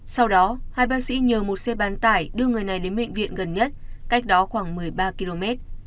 sau đó hai bác sĩ nhờ một xe bán tải đưa người này đến bệnh viện gần nhất cách đó khoảng một mươi ba km